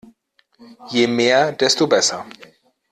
Je mehr, desto besser.